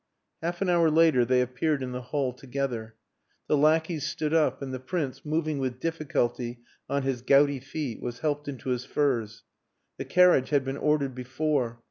Half an hour later they appeared in the hall together. The lackeys stood up, and the Prince, moving with difficulty on his gouty feet, was helped into his furs. The carriage had been ordered before.